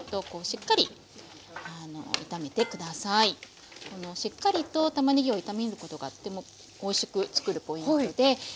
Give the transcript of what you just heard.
しっかりとたまねぎを炒めることがとてもおいしく作るポイントで。